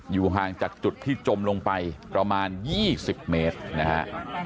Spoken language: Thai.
ห่างจากจุดที่จมลงไปประมาณ๒๐เมตรนะฮะ